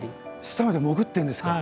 下まで潜ってるんですか？